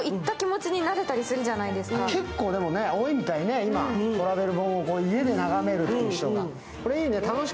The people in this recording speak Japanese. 結構多いみたいね、トラベル本を家で眺めるという人が。